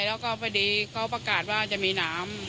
แล้วก็พอดีเขาประกาศว่าจะมีน้ำ